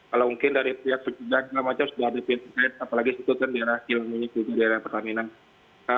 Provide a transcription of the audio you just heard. kalau mungkin dari pihak penjaga dan macam sudah ada pencari apalagi sekutu di daerah kilang minyak di daerah pertanian